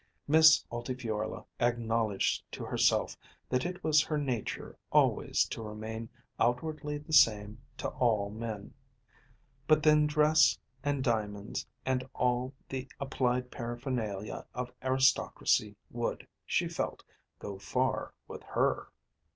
Miss Altifiorla acknowledged to herself that it was her nature always to remain outwardly the same to all men. But then dress and diamonds, and all the applied paraphernalia of aristocracy would, she felt, go far with her.